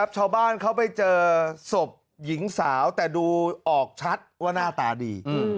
ชาวบ้านเขาไปเจอศพหญิงสาวแต่ดูออกชัดว่าหน้าตาดี